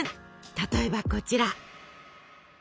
例えばこちら。